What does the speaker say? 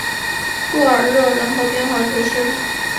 布尔热人口变化图示